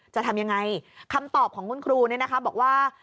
จะทำยังไงคำตอบของคุณครูเนี่ยนะคะบอกว่า